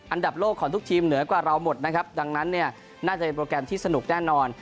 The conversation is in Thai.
อันดับโลกของทุกทีมเหนือกว่าเราหมดนะครับดังนั้นเนี่ยน่าจะเป็นโปรแกรมที่สนุกแน่นอน